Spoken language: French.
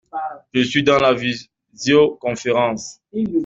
Je suis dans la visioconférence.